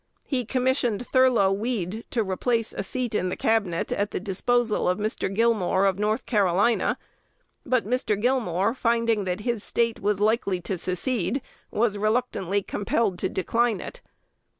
He commissioned Thurlow Weed to place a seat in the Cabinet at the disposal of Mr. Gilmore of North Carolina; but Mr. Gilmore, finding that his State was likely to secede, was reluctantly compelled to decline it.